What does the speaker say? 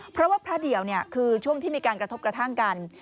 เพราะว่าพระเดี่ยวคือช่วงที่มีการกระทบกระทั่งกัน